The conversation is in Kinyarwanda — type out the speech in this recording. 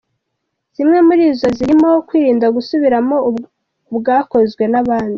Zimwe muri zo zirimo, kwirinda gusubiramo ubwakozwe n’abandi.